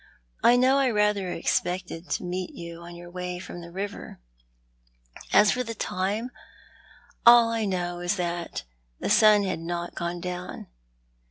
I know I rather expected to meet you on your way from the river. As for the time, all I know is that the sun had not gone down."